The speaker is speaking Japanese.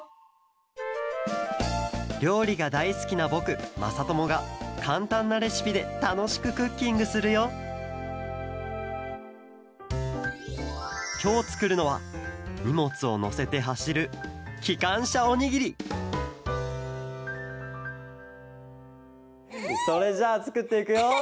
りょうりがだいすきなぼくまさともがかんたんなレシピでたのしくクッキングするよきょうつくるのはにもつをのせてはしるそれじゃあつくっていくよ。